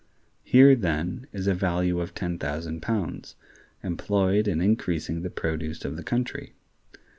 Here, then, is a value of ten thousand pounds, employed in increasing the produce of the country.